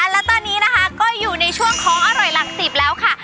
และตอนนี้นะคะก็อยู่ในช่วงของอร่อยหลัก๑๐แล้วค่ะ